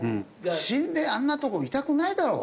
死んであんなとこいたくないだろ。